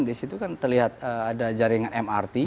disitu kan terlihat ada jaringan mrt